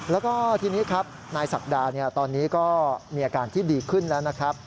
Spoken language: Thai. แล้วก็ทีนี้ครับนายศักดาตอนนี้ก็มีอาการที่ดีขึ้นแล้วนะครับ